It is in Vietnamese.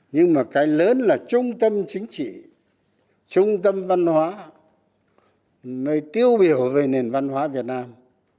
nhưng mà cái lớn là trung tâm chính trị trung tâm văn hóa nơi tiêu biểu về nền văn hóa việt nam